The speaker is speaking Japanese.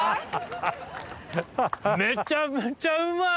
めちゃめちゃうまい！